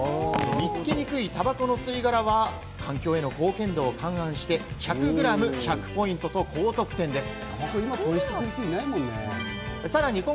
見つけにくいたばこの吸い殻は環境への貢献度を換算して、１００グラム１００ポイントと高得点です。